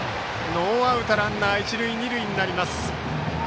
ノーアウトランナー、一塁二塁。